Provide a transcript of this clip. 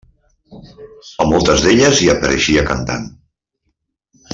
A moltes d'elles hi apareixia cantant.